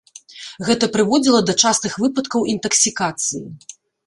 Гэта прыводзіла да частых выпадкаў інтаксікацыі.